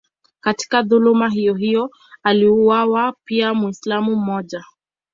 Katika dhuluma hiyohiyo aliuawa pia Mwislamu mmoja.